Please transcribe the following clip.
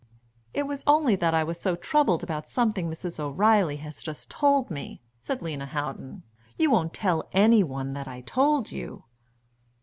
"It was only that I was so troubled about something Mrs. O'Reilly has just told me," said Lena Houghton. "You won't tell any one that I told you?"